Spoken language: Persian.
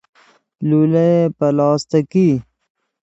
لولهی پلاستیکی